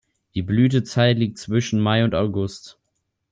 Die Blütezeit liegt zwischen Mai und August.